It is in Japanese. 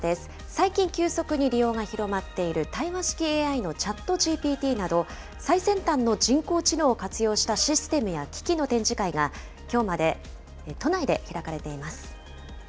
最近急速に利用が広まっている対話式ＡＩのＣｈａｔＧＰＴなど、最先端の人工知能を活用したシステムや機器の展示会が、きょうまで都内で開かれています。